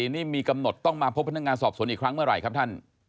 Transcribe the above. นี่มีกำหนดต้องมาพบพนักงานสอบสวนอีกครั้งเมื่อไหร่ครับท่าน